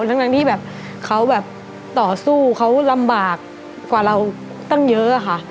ทั้งที่แบบเขาแบบต่อสู้เขาลำบากกว่าเราตั้งเยอะค่ะ